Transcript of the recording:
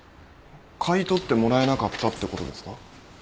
買い取ってもらえなかったってことですか？